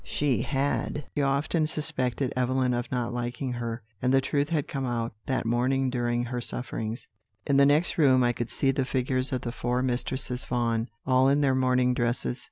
She had often suspected Evelyn of not liking her, and the truth had come out that morning during her sufferings. "In the next room I could see the figures of the four Mistresses Vaughan, all in their morning dresses.